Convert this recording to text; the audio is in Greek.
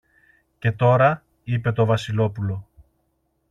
Και τώρα, είπε το Βασιλόπουλο